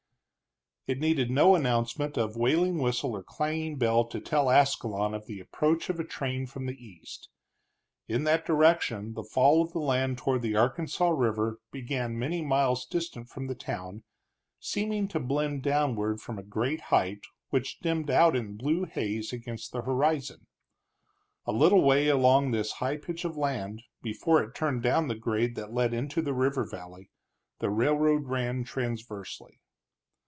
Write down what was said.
It needed no announcement of wailing whistle or clanging bell to tell Ascalon of the approach of a train from the east. In that direction the fall of the land toward the Arkansas River began many miles distant from the town, seeming to blend downward from a great height which dimmed out in blue haze against the horizon. A little way along this high pitch of land, before it turned down the grade that led into the river valley, the railroad ran transversely.